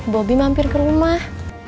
bobby mampir ke rumah